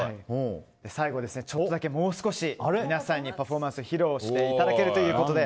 最後に、もう少し皆さんにパフォーマンスを披露していただけるということで